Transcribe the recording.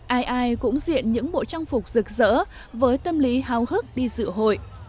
ai ai cũng diện những bộ trang phục rực rỡ với tâm lý háo hức đi dự hội